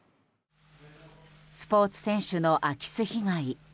スポーツ選手の空き巣被害。